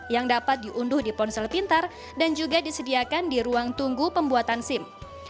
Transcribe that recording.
yang dapat diunduh di ponsel pintar dan juga disediakan di ruang tunggu pembuatan sim